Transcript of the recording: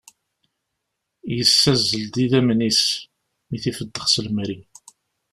Yessazzel-d idammen-is mi i t-ifeddex s temri.